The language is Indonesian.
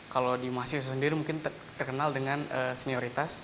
kalau di mahasiswa sendiri mungkin terkenal dengan senioritas